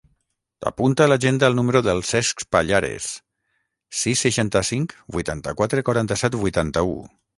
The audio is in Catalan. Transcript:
Apunta a l'agenda el número del Cesc Pallares: sis, seixanta-cinc, vuitanta-quatre, quaranta-set, vuitanta-u.